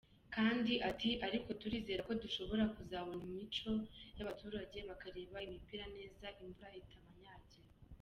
Kandi ati “Ariko turizera ko dushobora kuzabona imicyo, abaturage bakareba imipira neza imvura itabanyagira.